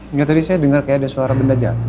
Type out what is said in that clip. enggak tadi saya dengar kayak ada suara benda jatuh